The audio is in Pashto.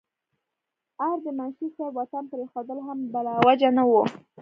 او د منشي صېب وطن پريښودل هم بلاوجه نه وو